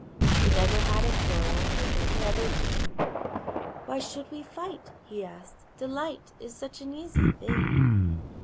He never had a quarrel With any other king; "Why should we fight?" he asked. "Delight Is such an easy thing."